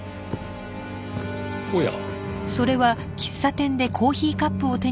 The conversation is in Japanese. おや。